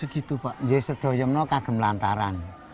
jadi sedangkan kagum lantaran